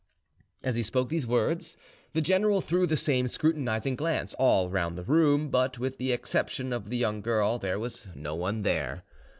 As he spoke these words, the general threw the same scrutinizing glance all round the room, but with the exception of the young girl there was no one there.